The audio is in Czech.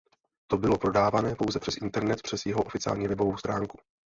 To bylo prodávané pouze přes internet přes jeho oficiální webovou stránku.